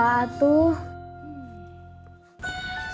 tunggu saya mau tanya